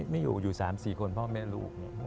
ไม่อยู่อยู่สามสี่คนพ่อแม่ลูก